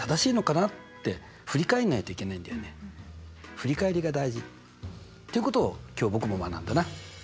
振り返りが大事っていうことを今日僕も学んだな。